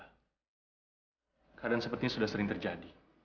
kadang kadang sepertinya sudah sering terjadi